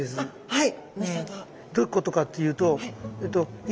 はい。